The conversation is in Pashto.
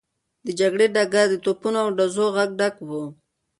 د جګړې ډګر د توپونو او ډزو غږ ډک و.